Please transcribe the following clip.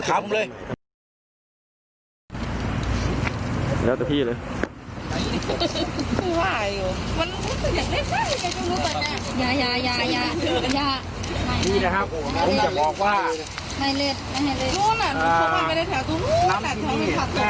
กันไงต่อหนักสอบหลัง